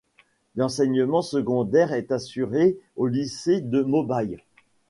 L'enseignement secondaire est assuré au lycée de Mobaye.